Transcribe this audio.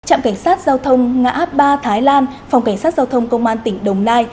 trạm cảnh sát giao thông ngã ba thái lan phòng cảnh sát giao thông công an tỉnh đồng nai